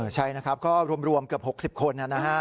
ใช่นะครับก็รวมเกือบ๖๐คนนะฮะ